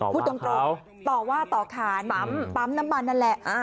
พูดตรงตรงต่อว่าต่อค้านปั๊มปั๊มน้ำมันนั่นแหละอ่า